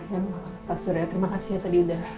ya pak surya terima kasih ya tadi udah